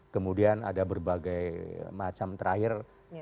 kemudian ada berbagai macam terakhir